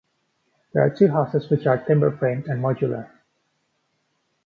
There are two houses which are timber framed and modular.